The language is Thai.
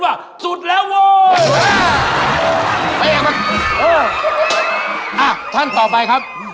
อ้าท่านต่อไปครับ